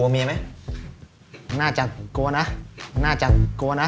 มีไหมน่าจะกลัวนะน่าจะกลัวนะ